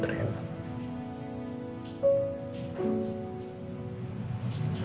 tidak ada apa apa papa